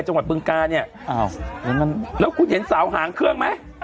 จังหวัดเบื้องกาลเนี้ยอ้าวแล้วมันแล้วคุณเห็นสาวหางเครื่องไหม